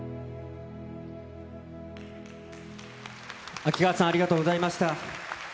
秋川さん、ありがとうございました。